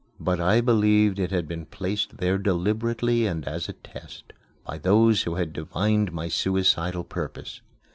But I believed it had been placed there deliberately and as a test, by those who had divined my suicidal purpose.